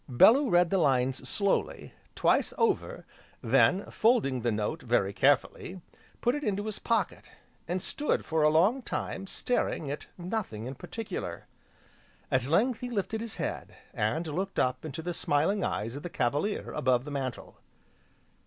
Bellew read the lines slowly, twice over, then, folding the note very carefully, put it into his pocket, and stood for a long time staring at nothing in particular. At length he lifted his head, and looked up into the smiling eyes of the Cavalier, above the mantel.